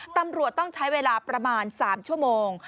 ตำรวจต้องใช้เวลาประมาณ๓ชั่วโมง